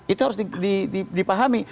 itu harus dipahami